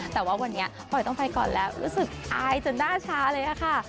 แต่ว่าวันนี้ปล่อยต้องไปก่อนแล้วรู้สึกอายจนหน้าชาเลยค่ะ